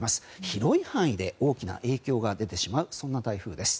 広い範囲で大きな影響が出てしまうそんな台風です。